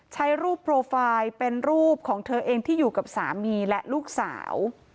ใช้รูปโปรไฟล์เป็นรูปของเธอเองที่อยู่กับสามีและลูกสาว